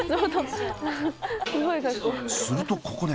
するとここで。